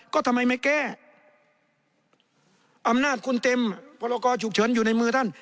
ก็ทำไมไม่แก้อำนาจคุณเต็มพรกรฉุกเฉินอยู่ในมือท่าน